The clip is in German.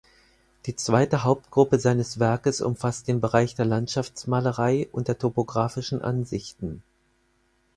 Die zweite Hauptgruppe seines Werkes umfasst den Bereich der Landschaftsmalerei und der topographischen Ansichten.